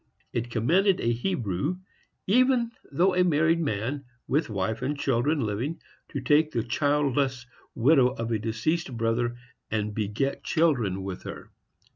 It commanded a Hebrew, even though a married man, with wife and children living, to take the childless widow of a deceased brother, and beget children with her.